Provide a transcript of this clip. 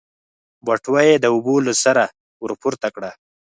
بټوه يې د اوبو له سره ورپورته کړه.